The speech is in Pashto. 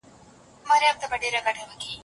ړوند سړی له ږیري سره ډوډۍ او مڼه نه اخلي.